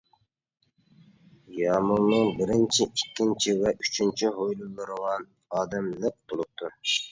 يامۇلنىڭ بىرىنچى، ئىككىنچى ۋە ئۈچىنچى ھويلىلىرىغا ئادەم لىق تولۇپتۇ.